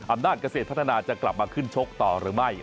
อำนาจเกษตรพัฒนาจะกลับมาขึ้นชกต่อหรือไม่